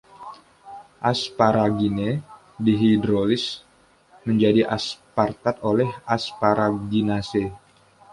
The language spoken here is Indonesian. Asparagine dihidrolisis menjadi aspartat oleh asparaginase.